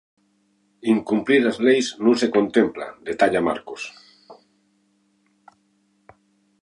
Incumprir as leis non se contempla, detalla Marcos.